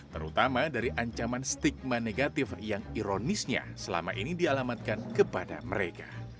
terutama dari ancaman stigma negatif yang ironisnya selama ini dialamatkan kepada mereka